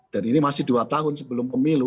dan ini masih dua tahun sebelum pemilu